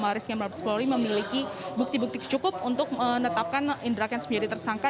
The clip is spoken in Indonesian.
baris krim mabes polri memiliki bukti bukti cukup untuk menetapkan indra kents menjadi tersangka